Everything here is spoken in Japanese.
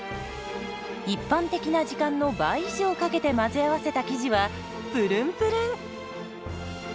一般的な時間の倍以上かけて混ぜ合わせた生地はプルンプルン。